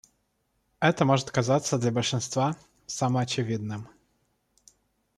Это может казаться для большинства самоочевидным.